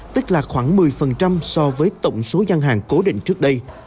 tức là khoảng một mươi so với tổng số gian hàng cố định trước đây